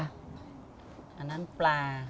อันนั้นปลา